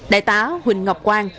đại tá huỳnh ngọc quang